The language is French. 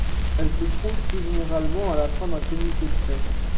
Elle se trouve plus généralement à la fin d'un communiqué de presse.